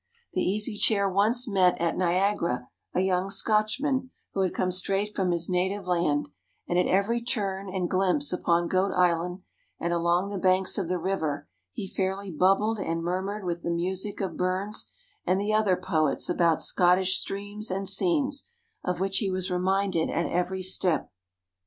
The Easy Chair once met at Niagara a young Scotchman who had come straight from his native land, and at every turn and glimpse upon Goat Island and along the banks of the river he fairly bubbled and murmured with the music of Burns and the other poets about Scottish streams and scenes, of which he was reminded at every step.